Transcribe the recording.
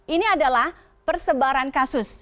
ini adalah persebaran kasus